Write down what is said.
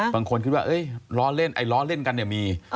บางคนคิดว่าล้อเล่นไอ้ล้อเล่นกันเนี่ยมี